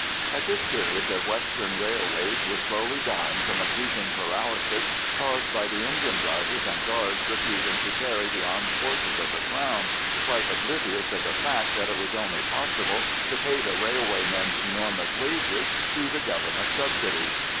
At this period the western railways were slowly dying from a creeping paralysis caused by the engine drivers and guards refusing to carry the armed forces of the Crown, quite oblivious of the fact that it was only possible to pay the railway men's enormous wages through the Government subsidy.